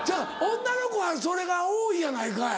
女の子はそれが多いやないかい。